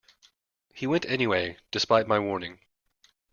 He went anyway, despite my warning.